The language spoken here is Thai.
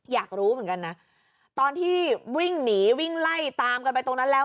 อยากรู้เหมือนกันนะตอนที่วิ่งหนีวิ่งไล่ตามกันไปตรงนั้นแล้ว